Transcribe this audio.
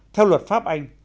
theo luật pháp anh